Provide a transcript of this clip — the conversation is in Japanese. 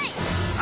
あ！